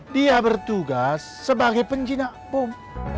dia bertugas sebagai penjinak bom